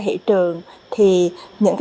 hệ trường thì những